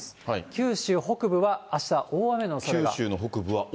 九州北部は、あした大雨のおそれが。